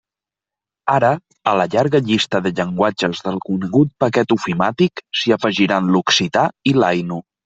Ara, a la llarga llista de llenguatges del conegut paquet ofimàtic s'hi afegiran l'occità i l'ainu.